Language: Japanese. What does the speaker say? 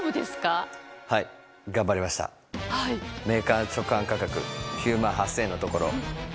メーカー直販価格９万８０００円のところ。